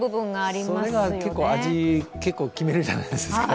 それが味を結構決めるじゃないですか。